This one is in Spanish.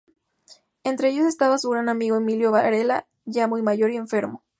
Entre ellos estaba su gran amigo, Emilio Varela, ya muy mayor y enfermo.